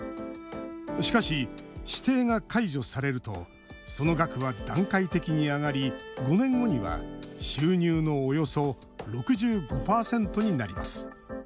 しかし、指定が解除されるとその額は段階的に上がり５年後には収入のおよそ６５％になります。